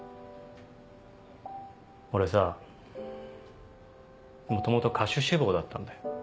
俺さ元々歌手志望だったんだよ。